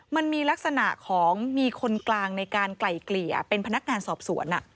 มันมีลักษณะของมีคนกลางในการไกล่เกลี่ยเป็นพนักงานสอบสวน